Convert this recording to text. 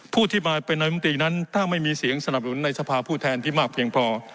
ผู้ที่มาเป็นนายมนตรีนั้นถ้าไม่มีเสียงสนับสนุนในสภาผู้แทนที่มากเพียงพอ